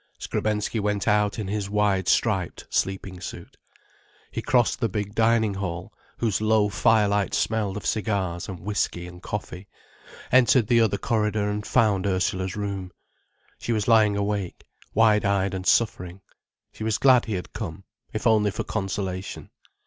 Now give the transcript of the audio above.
Skrebensky went out in his wide striped sleeping suit. He crossed the big dining hall, whose low firelight smelled of cigars and whisky and coffee, entered the other corridor and found Ursula's room. She was lying awake, wide eyed and suffering. She was glad he had come, if only for consolation.